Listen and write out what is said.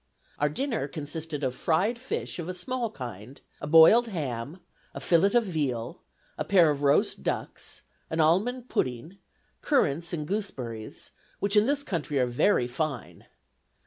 Our dinner consisted of fried fish of a small kind, a boiled ham, a fillet of veal, a pair of roast ducks, an almond pudding, currants and gooseberries, which in this country are very fine.